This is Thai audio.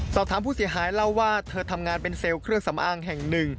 สอบถามผู้เสียหายเล่าว่าเธอทำงานเป็นเซลล์เครื่องสำอางแห่งหนึ่ง